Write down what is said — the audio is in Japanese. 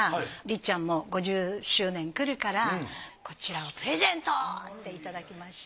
っちゃんも５０周年くるからこちらをプレゼント！っていただきました。